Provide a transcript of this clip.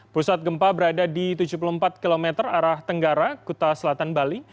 pusat gempa berada di tujuh puluh empat km arah tenggara kuta selatan bali